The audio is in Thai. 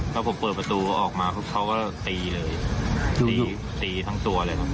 แล้วผมเปิดประตูออกมาเขาก็ตีเลยตีตีทั้งตัวเลยครับ